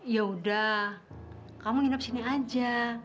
yaudah kamu nginap sini aja